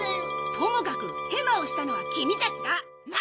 ともかくヘマをしたのはキミたちだ！何！？